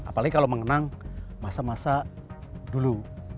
apalagi kalau mengenang masa masa dulu